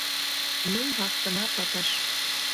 Ну вахтына пытыш.